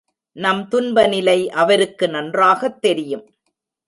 நம் துன்பநிலை அவருக்கு நன்றாகத் தெரியும்.